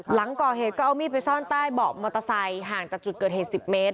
หลังก่อเหตุก็เอามีดไปซ่อนใต้เบาะมอเตอร์ไซค์ห่างจากจุดเกิดเหตุ๑๐เมตร